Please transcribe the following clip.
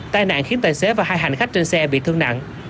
tai nạn khiến tài xế và hai hành khách trên xe bị thương nặng